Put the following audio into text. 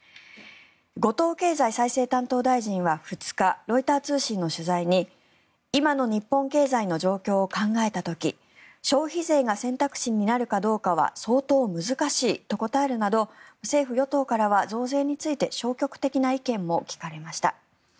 後藤経済再生担当大臣は２日ロイター通信の取材に今の日本経済の状況を考えた時消費税が選択肢になるかどうかは相当難しいと答えるなど政府・与党からは増税について消極的な意見も聞かれました。